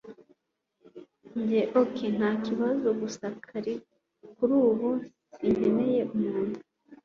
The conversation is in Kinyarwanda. Njye ok ntakibazo gusa kurubu sinkeneye umuntu